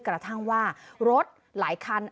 กระทั่งว่ารถหลายคัน